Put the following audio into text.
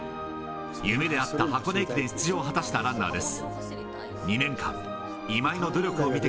夢であった箱根駅伝出場を果たしたランナーです。